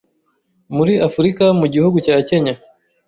muri africa mu gihugu cya Kenya,